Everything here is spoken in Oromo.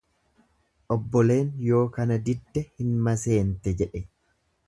Obboleen yoo kana didde hin maseente jedhe.